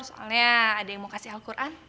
soalnya ada yang mau kasih alquran